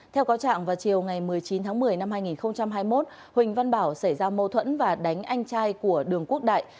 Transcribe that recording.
theo cáo trạng vào chiều ngày một mươi chín tháng một mươi năm hai nghìn hai mươi một huỳnh văn bảo xảy ra mâu thuẫn và đánh anh trai của đường quốc đại